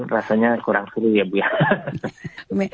rasanya kurang seru ya bu ya